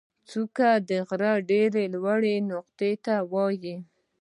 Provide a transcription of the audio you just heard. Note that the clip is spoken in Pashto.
څوکه د غره د ډېرې لوړې نقطې ته وایي.